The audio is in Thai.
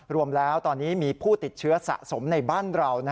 รวมแล้วตอนนี้มีผู้ติดเชื้อสะสมในบ้านเรา